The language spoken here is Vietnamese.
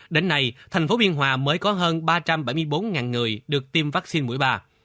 đến nay thành phố biên hòa mới có hơn ba trăm bảy mươi bốn người được tiêm vaccine mũi ba